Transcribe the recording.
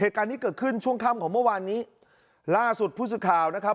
เหตุการณ์นี้เกิดขึ้นช่วงค่ำของเมื่อวานนี้ล่าสุดผู้สื่อข่าวนะครับ